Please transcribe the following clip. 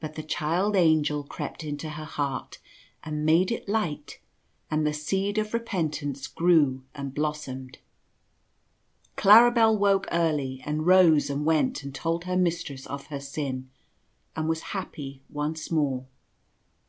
But the Child Angel crept into her heart and made it light, and the seed of repentance grew and blossomed. Claribel woke early, and rose and went and told her mistress of her sin, and was happy once more.